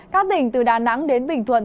cát tỉnh từ đà nẵng đến bình thuận